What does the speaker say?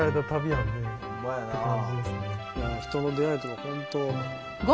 人の出会いとか本当。